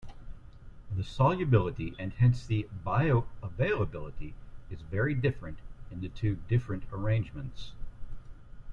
The solubility and hence the bioavailability is very different in the two different arrangements.